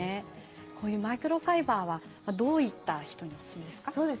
マイクロファイバーはどういった人におすすめですか？